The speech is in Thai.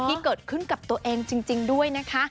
ที่เกิดขึ้นกับตัวเองจริงด้วยนะคะ